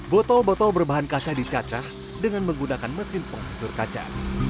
botol botol berbahan kaca dicacah dengan menggunakan mesin penghancur kaca